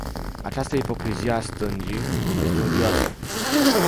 Această ipocrizie a stângii este odioasă.